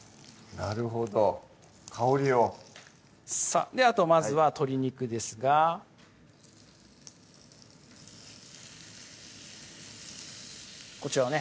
なるほど香りをさぁまずは鶏肉ですがこちらをね